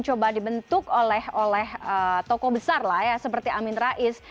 coba dibentuk oleh tokoh besar lah ya seperti amin rais